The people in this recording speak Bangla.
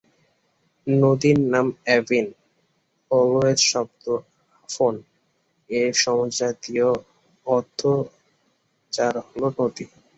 নদীর নাম "অ্যাভন" ওয়েলস শব্দ "আফন"-এর একটি সমজাতীয়, যার আর্থ হল "নদী"।